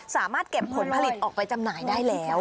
สามารถเก็บผลผลิตออกไปจำหน่ายได้แล้ว